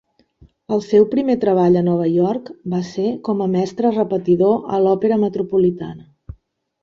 El seu primer treball a Nova York va ser com a mestre repetidor a l'Òpera Metropolitana.